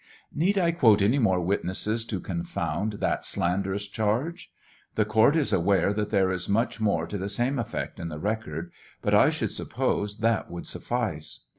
Need I quote any more witnesses to confound that slanderous charge ? The court is aware that there is much more to the same effect in the record, but I should suppose that would suffice.